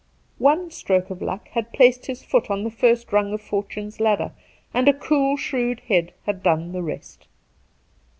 One stroke of luck had placed his foot on the first rung of Fortune's ladder, and a cool shrewd head had done the rest.